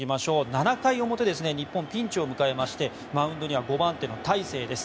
７回表、日本がピンチを迎えてマウンドには５番手の大勢です。